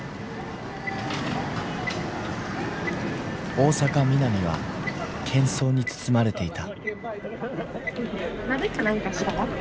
大阪ミナミはけん噪に包まれていた。